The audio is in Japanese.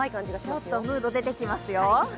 もっとムード出てきますよ。